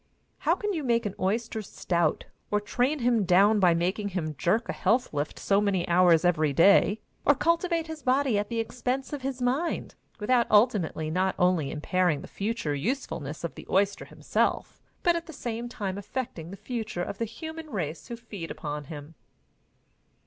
How can you make an oyster stout or train him down by making him jerk a health lift so many hours every day, or cultivate his body at the expense of his mind, without ultimately not only impairing the future usefulness of the oyster himself, but at the same time affecting the future of the human race who feed upon him?